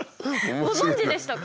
ご存じでしたか？